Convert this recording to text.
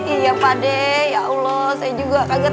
iya pak deh ya allah saya juga kaget